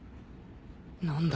何だ？